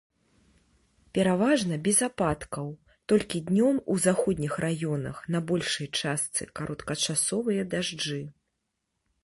Пераважна без ападкаў, толькі днём у заходніх раёнах на большай частцы кароткачасовыя дажджы.